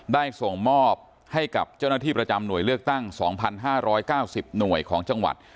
ได้ส่งมอบให้กับเจ้าหน้าที่ประจำหน่วยเลือกตั้งสองพันห้าร้อยเก้าสิบหน่วยของจังหวัด